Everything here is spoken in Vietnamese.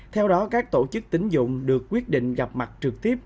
theo đó các tổ chức tính dụng được quyết định gặp mặt trực tiếp